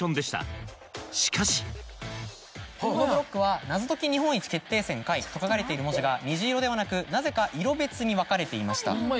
しかしこのブロックは『謎解き日本一決定戦Ｘ』と書かれている文字が虹色ではなくなぜか色別に分かれていました。